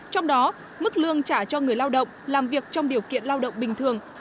trong đó mức lương trả cho người lao động làm việc trong điều kiện lao động bình thường